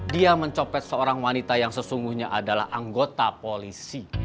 dia mencopet seorang wanita yang sesungguhnya adalah anggota polisi